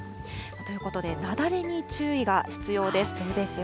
ということで、雪崩に注意が必要です。